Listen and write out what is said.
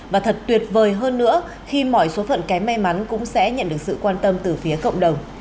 và thật tuyệt vời hơn nữa khi mọi số phận kém may mắn cũng sẽ nhận được sự quan tâm từ phía cộng đồng